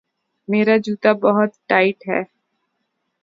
میرا جوتا بہت ٹائٹ ہے